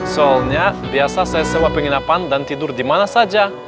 soalnya biasa saya sewa penginapan dan tidur dimana saja